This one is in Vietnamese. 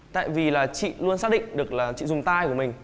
tại vì là chị luôn xác định được là chị dùng tay của mình